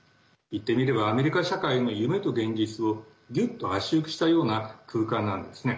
いってみればアメリカ社会の夢と現実をギュッと圧縮したような空間なんですね。